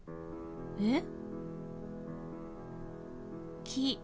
えっ？